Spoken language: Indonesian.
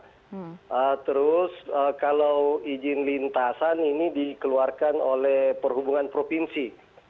nah terus kalau izin lintasan ini dikeluarkan oleh perhubungan provinsi